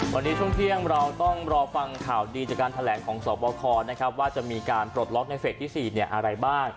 วันนี้ช่วงเที่ยงเราต้องรอฟังข่าวดีจากการแถลงของสวบคนะครับว่าจะมีการปลดล็อกในเฟสที่๔อะไรบ้าง